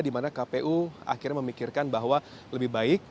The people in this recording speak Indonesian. di mana kpu akhirnya memikirkan bahwa lebih baik